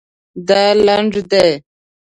دا لنډ دی